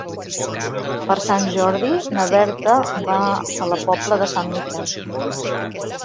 Per Sant Jordi na Berta va a la Pobla de Sant Miquel.